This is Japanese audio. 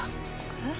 えっ？